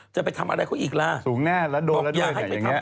จะไปทำอะไรเขาอีกล่ะบอกอย่าให้ไปทำเขา